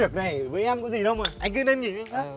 với cái việc này với em cũng gì đâu mà anh cứ đem nhìn